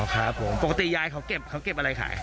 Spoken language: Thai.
ครับผมปกติยายเขาเก็บอะไรค่ะ